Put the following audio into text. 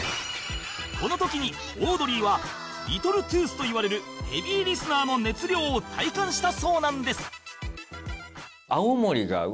この時にオードリーはリトルトゥースといわれるヘビーリスナーの熱量を体感したそうなんです